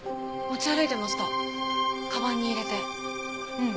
うん。